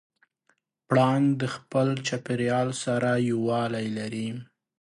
پړانګ د خپل چاپېریال سره یووالی لري.